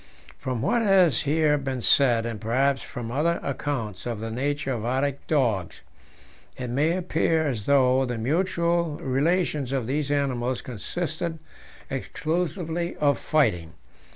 From what has here been said, and perhaps from other accounts of the nature of Arctic dogs, it may appear as though the mutual relations of these animals consisted exclusively of fighting.